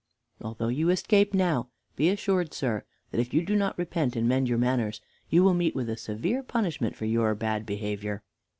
Although you escape now, be assured, sir, that if you do not repent and mend your manners, you will meet with a severe punishment for your bad behavior."